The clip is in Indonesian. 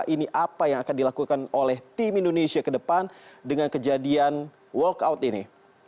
ini apa yang akan dilakukan oleh tim indonesia ke depan dengan kejadian walkout ini